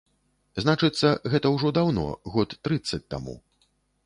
Значыцца, гэта ўжо даўно, год трыццаць таму.